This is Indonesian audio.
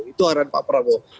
itu arahan pak prabowo